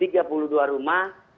tiga puluh dua rumah